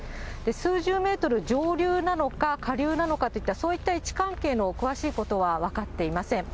数十メートル上流なのか、下流なのかといった、そういった位置関係の詳しいことは分かっていません。